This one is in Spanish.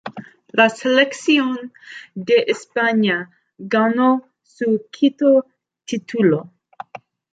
La selección de España ganó su quinto título.